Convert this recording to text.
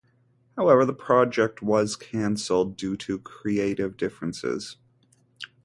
However, the project was cancelled due to "creative differences".